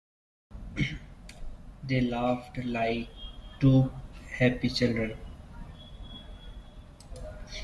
They laughed like two happy children.